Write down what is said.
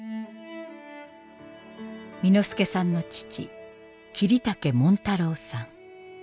簑助さんの父桐竹紋太郎さん。